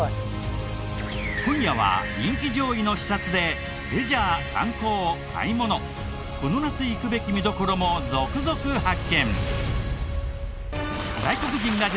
今夜は人気上位の視察でレジャー観光買い物この夏行くべき見どころも続々発見！